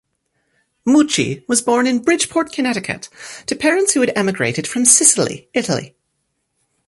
Mucci was born in Bridgeport, Connecticut, to parents who had emigrated from Sicily, Italy.